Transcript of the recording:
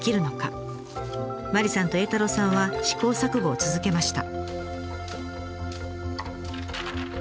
麻里さんと栄太郎さんは試行錯誤を続けました。